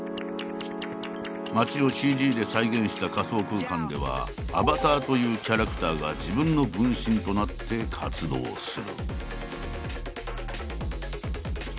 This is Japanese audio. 街をＣＧで再現した仮想空間では「アバター」というキャラクターが自分の「分身」となって活動する。